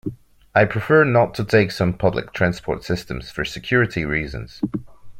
I prefer not to take some public transport systems for security reasons.